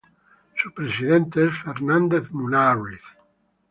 Su presidente es Fernando Munárriz.